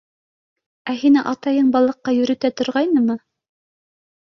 — Ә һине атайың балыҡҡа йөрөтә торғайнымы?